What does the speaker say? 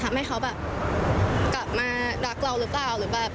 แล้วพอกระแสกมันออกไปแล้วเห็นเขาร่วมดาร้อน